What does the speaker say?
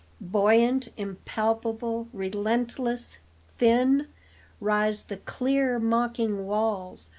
Buoyant, impalpable, relentless, thin, Rise the clear, mocking walls.